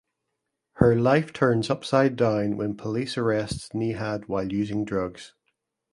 Her life turns upside down when police arrests Nihad while using drugs.